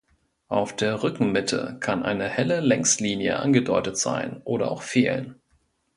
Auf der Rückenmitte kann eine helle Längslinie angedeutet sein oder auch fehlen.